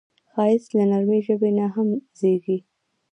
ښایست له نرمې ژبې نه هم زېږي